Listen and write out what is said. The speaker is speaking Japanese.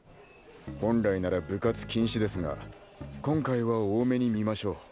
本来なら部活禁止ですが今回は大目に見ましょう。